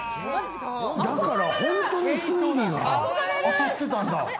だから本当に推理が当たってたんだ。